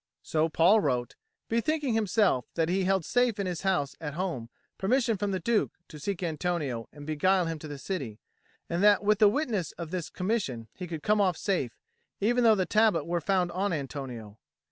So Paul wrote, bethinking himself that he held safe in his house at home permission from the Duke to seek Antonio and beguile him to the city, and that with the witness of this commission he could come off safe, even though the tablet were found on Antonio.